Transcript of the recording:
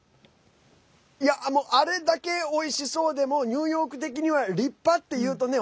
いや、あれだけおいしそうでもニューヨーク的には立派っていうとね